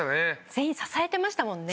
全員支えてましたもんね。